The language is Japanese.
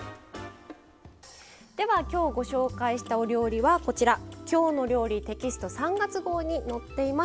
今日ご紹介したお料理は「きょうの料理」テキスト３月号に載っています。